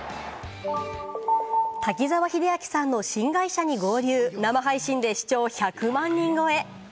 滝沢秀明さんの新会社に合流、生配信で視聴１００万人超え。